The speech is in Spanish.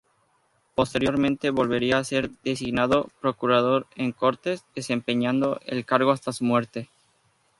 Posteriormente volvería a ser designado procurador en cortes, desempeñando el cargo hasta su muerte.